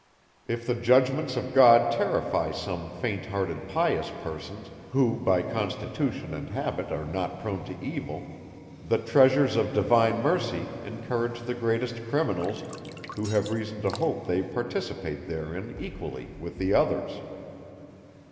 If the judgments of God terrify some faint hearted pious persons, who by constitution and habit are not prone to evil, the treasures of divine mercy encourage the greatest criminals, who have reason to hope they participate therein equally with the others.